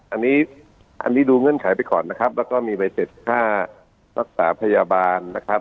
อันนี้อันนี้ดูเงื่อนไขไปก่อนนะครับแล้วก็มีใบเสร็จค่ารักษาพยาบาลนะครับ